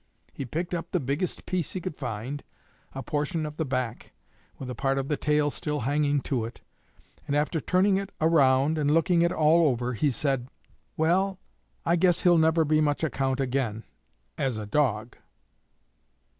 He picked up the biggest piece he could find a portion of the back, with a part of the tail still hanging to it, and, after turning it around and looking it all over, he said, "Well, I guess he'll never be much account again as a dog."